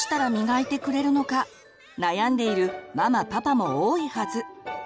悩んでいるママパパも多いはず。